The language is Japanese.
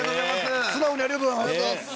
素直にありがとうございます。